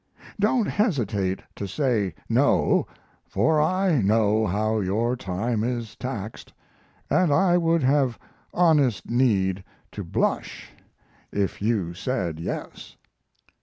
Don't hesitate to say no, for I know how your time is taxed, and I would have honest need to blush if you said yes."